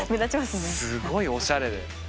すごいおしゃれで。